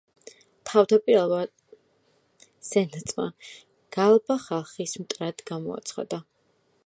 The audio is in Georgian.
თავდაპირველად, სენატმა გალბა ხალხის მტრად გამოაცხადა.